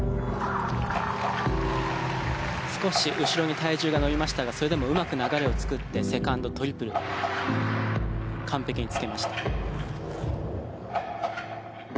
少し後ろに体重が乗りましたがそれでもうまく流れを作ってセカンド、トリプル完璧につけました。